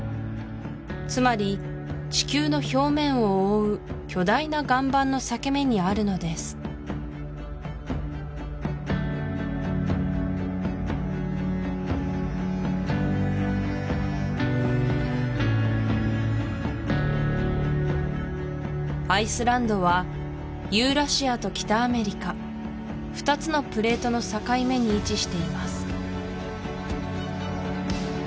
つまり地球の表面を覆う巨大な岩盤の裂け目にあるのですアイスランドはユーラシアと北アメリカ２つのプレートの境目に位置しています